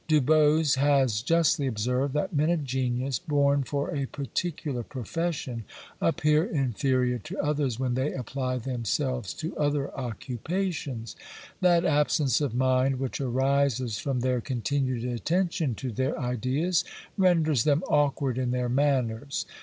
Du Bos has justly observed, that men of genius, born for a particular profession, appear inferior to others when they apply themselves to other occupations. That absence of mind which arises from their continued attention to their ideas, renders them awkward in their manners.